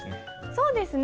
そうですね